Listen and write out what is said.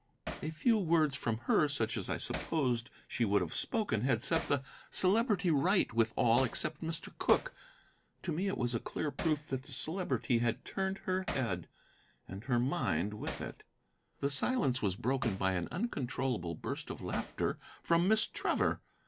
A few words from her, such as I supposed she would have spoken, had set the Celebrity right with all except Mr. Cooke. To me it was a clear proof that the Celebrity had turned her head, and her mind with it. The silence was broken by an uncontrollable burst of laughter from Miss Trevor.